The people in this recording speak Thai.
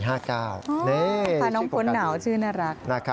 พาน้องพ้นหนาวชื่อน่ารัก